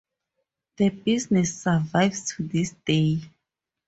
The business survives to this day.